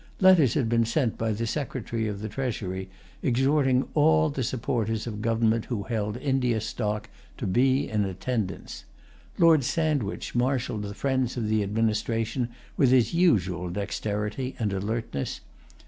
Letters had been sent by the Secretary of the Treasury, exhorting all[Pg 160] the supporters of government who held India stock to be in attendance. Lord Sandwich marshalled the friends of the administration with his usual dexterity and alertness.